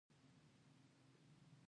د سرطان حجرو بې کنټروله وده کوي.